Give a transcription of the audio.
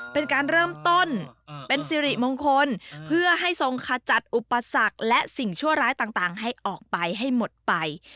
เป็นการเริ่มต้นเป็นสิริมงคลเพื่อให้ทรงขจัดอุปสรรคและสิ่งชั่วร้ายต่างให้ออกไปให้หมดไป